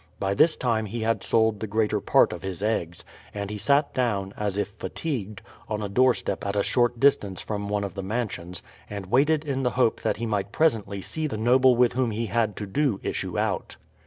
By this time he had sold the greater part of his eggs, and he sat down, as if fatigued, on a doorstep at a short distance from one of the mansions, and waited in the hope that he might presently see the noble with whom he had to do issue out.